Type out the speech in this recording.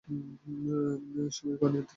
সুমী পানি আনতে ছুটে গেল।